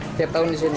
setiap tahun di sini